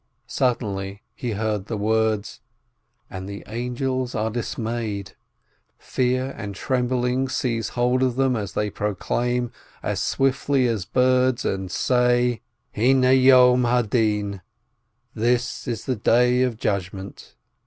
Suddenly he heard the words : "And the Angels are dismayed, Fear and trembling seize hold of them as they proclaim, As swiftly as birds, and say: This is the Day of Judgment!"